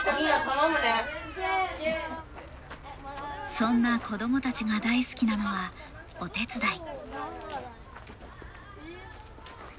そんな子供たちが大好きなのはお手伝い。